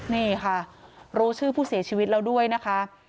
นี่ค่ะรู้ชื่อผู้เสียชีวิตแล้วด้วยนะคะ